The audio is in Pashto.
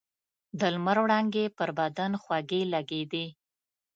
د لمر وړانګې پر بدن خوږې لګېدې.